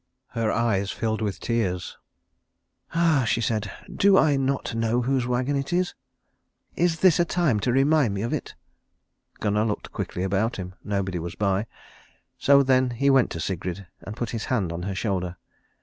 Her eyes filled with tears. "Ah," she said, "do I not know whose wagon it is? Is this a time to remind me of it?" Gunnar looked quickly about him. Nobody was by. So then he went to Sigrid, and put his hand on her shoulder.